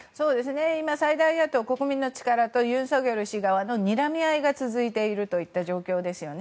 今、最大野党・国民の力とユン・ソクヨル氏側のにらみ合いが続いているといった状況ですね。